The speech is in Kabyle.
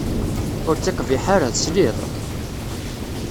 Ur ttiqbiḥ ara, tesliḍ!